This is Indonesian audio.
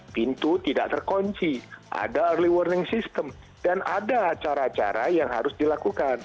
pintu tidak terkunci ada early warning system dan ada cara cara yang harus dilakukan